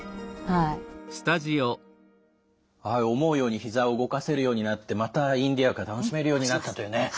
はい思うようにひざを動かせるようになってまたインディアカ楽しめるようになったというね。